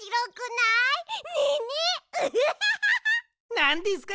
なんですか？